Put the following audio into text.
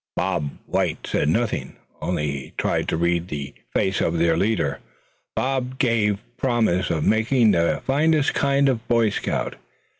Bob White said nothing, only he tried to read the face of their leader. Bob gave promise of making the finest kind of a Boy Scout.